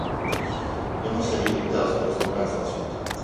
Hi ha una sèrie d'hotels i restaurants de la ciutat.